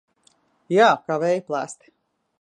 Jā, kā vēja plēsti.